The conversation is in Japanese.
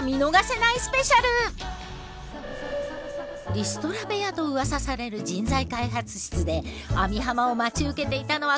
リストラ部屋とうわさされる人材開発室で網浜を待ち受けていたのはこの３人。